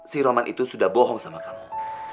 si roman itu sudah bohong sama kamu